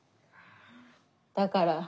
だから